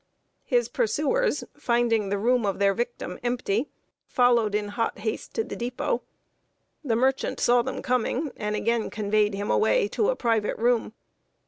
His pursuers, finding the room of their victim empty, followed in hot haste to the dépôt. The merchant saw them coming, and again conveyed him away to a private room.